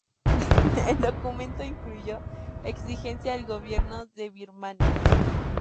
El documento incluyó exigencias al gobierno de Birmania.